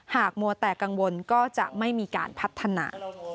มัวแต่กังวลก็จะไม่มีการพัฒนา